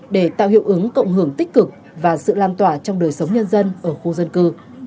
để tạo hiệu ứng cộng hưởng tích cực và sự lan tỏa trong đời sống nhân dân ở khu dân cư